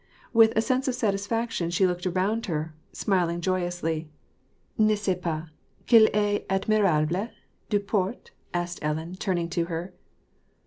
With a sense of satisfaction she looked around her, smiling joyously. "^'est cepas quHl est admirable, — Duport?" asked Ellen, turning to her.